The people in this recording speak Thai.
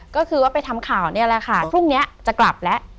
ก็คือว่าไปทำข่าวนี่แหละค่ะพรุ่งนี้จะกลับแล้ว